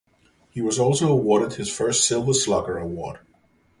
He was also awarded his first Silver Slugger Award.